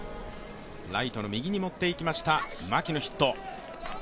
ライトの右に持っていきました、牧のヒット。